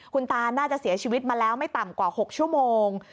คุณตาน่าจะเสียชีวิตมาแล้วไม่ต่ำกว่า๖ชั่วโมง